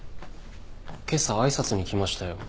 今朝挨拶に来ましたよ。